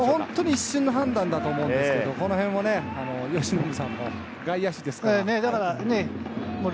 一瞬の判断だと思うんですけど、そのへんは由伸さんも外野手ですから。